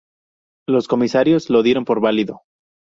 Los comisarios lo dieron por válido.